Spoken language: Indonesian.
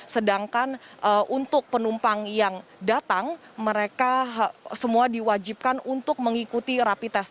sedangkan untuk penumpang yang datang mereka semua diwajibkan untuk mengikuti rapi tes